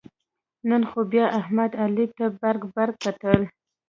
نن خو بیا احمد علي ته برگ برگ کتل.